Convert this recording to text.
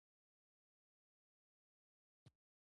_زوی ته دې شېدې راوړه.